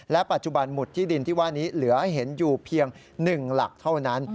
ปัจจุบันหมุดที่ดินที่ว่านี้เหลือให้เห็นอยู่เพียง๑หลักเท่านั้น